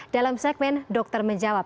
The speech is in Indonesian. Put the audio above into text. dalam segmen dokter menjawab